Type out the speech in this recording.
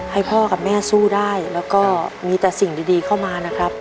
ให้พ่อกับแม่สู้ได้แล้วก็มีแต่สิ่งดีเข้ามานะครับ